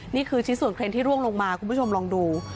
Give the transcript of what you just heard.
นี่คือชิ้นส่วนเครนที่ร่วงลงมาคุณผู้ชมลองดู